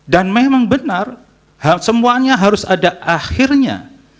dan memang benar semuanya harus ada akhirnya